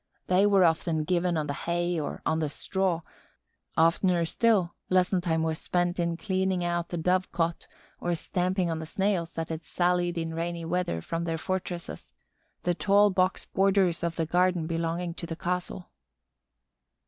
They were often given on the hay or on the straw; oftener still, lesson time was spent in cleaning out the dove cot or stamping on the Snails that had sallied in rainy weather from their fortresses, the tall box borders of the garden belonging to the castle.